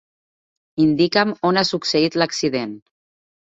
Indica'm on ha succeït l'accident.